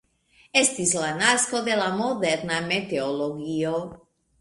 Estis la nasko de la moderna meteologio.